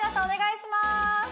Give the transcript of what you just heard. お願いします